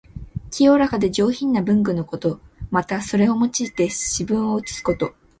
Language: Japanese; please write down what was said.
清らかで上品な文具のこと。また、それを用いて詩文を写すこと。